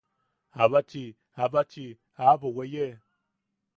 ¡Abachi, abachi aʼabo weye!